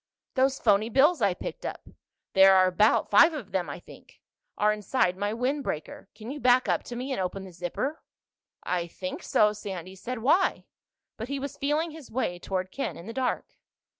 "Those phony bills I picked up—there are about five of them, I think—are inside my windbreaker. Can you back up to me and open the zipper?" "I think so," Sandy said. "Why?" But he was feeling his way toward Ken in the dark.